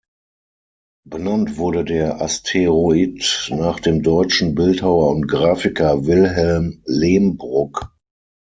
Benannt wurde der Asteroid nach dem deutschen Bildhauer und Grafiker Wilhelm Lehmbruck.